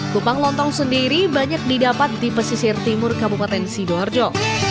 kupang lontong sendiri banyak didapat di pesisir timur kabupaten sidoarjo